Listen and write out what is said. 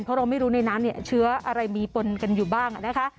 เพราะเราไม่รู้ในน้ำเนี่ยเชื้ออะไรมีปนกันอยู่บ้างนะคะ